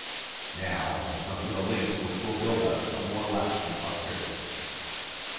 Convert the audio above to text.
Now I come to the links which will build us a more lasting prosperity.